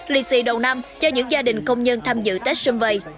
lì xì đầu năm cho những gia đình công nhân tham dự tết xuân vầy